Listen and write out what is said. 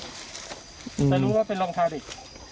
แต่รู้ว่าเป็นรองเท้าเด็ก